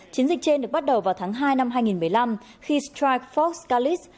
chiến dịch trên được bắt đầu vào tháng hai năm hai nghìn một mươi năm khi strike force scalise